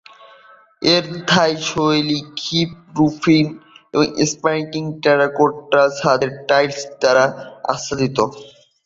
এর থাই-শৈলীর হিপ-রূফটি স্প্যানিশ টেরা কোট্টা ছাদের টাইলস দ্বারা আচ্ছাদিত।